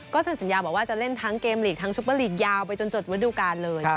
เซ็นสัญญาบอกว่าจะเล่นทั้งเกมลีกทั้งซุปเปอร์ลีกยาวไปจนจบฤดูกาลเลย